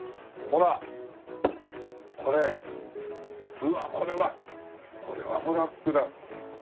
うわこれはこれはブラックだ。